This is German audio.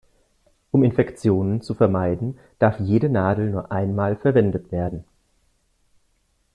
Um Infektionen zu vermeiden, darf jede Nadel nur einmal verwendet werden.